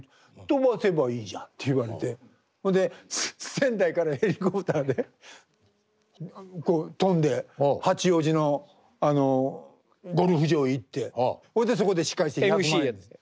「飛ばせばいいじゃん」って言われてほんで仙台からヘリコプターで飛んで八王子のゴルフ場へ行ってほいでそこで司会して１００万円です。